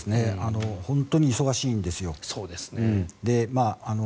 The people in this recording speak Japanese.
本当に忙しいんですよ。